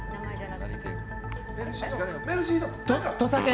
土佐犬。